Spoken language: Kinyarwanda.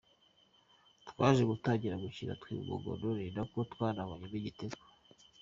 Twaje gutangira gukina twiba umugono ni nako twanabonyemo igitego.